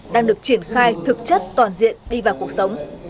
đang được triển khai thực chất toàn diện đi vào cuộc sống